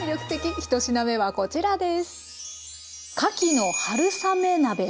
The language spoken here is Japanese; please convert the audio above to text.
１品目はこちらです。